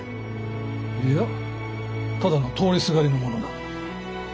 いやただの通りすがりの者だ。